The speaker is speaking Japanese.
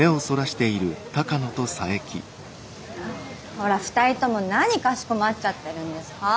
ほら２人とも何かしこまっちゃってるんですか。